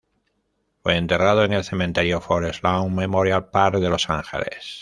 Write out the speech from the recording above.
Fue enterrado en el Cementerio Forest Lawn Memorial Park de Los Ángeles.